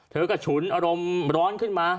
เธอก็ฉุนอารมณ์ร้อนขึ้นมา